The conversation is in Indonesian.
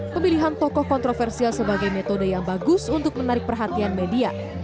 pemilihan tokoh kontroversial sebagai metode yang bagus untuk menarik perhatian media